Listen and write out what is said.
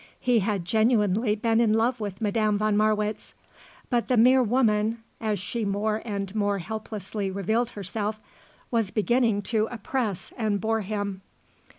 He had genuinely been in love with Madame von Marwitz. But the mere woman, as she more and more helplessly revealed herself, was beginning to oppress and bore him.